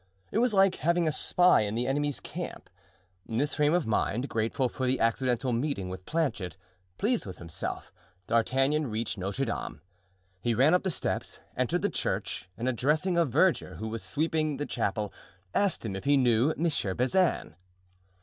It was like having a spy in the enemy's camp. In this frame of mind, grateful for the accidental meeting with Planchet, pleased with himself, D'Artagnan reached Notre Dame. He ran up the steps, entered the church, and addressing a verger who was sweeping the chapel, asked him if he knew Monsieur Bazin.